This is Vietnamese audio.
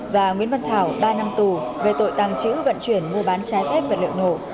và nguyễn văn thảo ba năm tù về tội tàng trữ vận chuyển mua bán trái phép vật liệu nổ